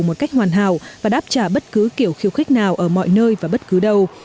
một cách hoàn hảo và đáp trả bất cứ kiểu khiêu khích nào ở mọi nơi và bất cứ đâu